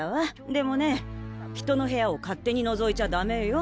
でもね人のへやをかっ手にのぞいちゃダメよ。